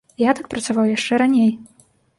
Я так працаваў яшчэ раней.